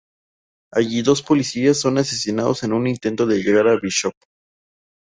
Allí dos policías son asesinados en un intento de llegar a Bishop.